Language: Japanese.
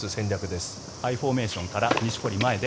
Ｉフォーメーションから錦織、前へ。